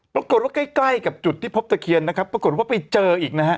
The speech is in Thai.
ปรากฏว่าใกล้ใกล้กับจุดที่พบตะเคียนนะครับปรากฏว่าไปเจออีกนะฮะ